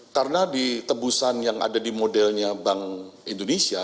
karena di tebusan yang ada di modelnya bank indonesia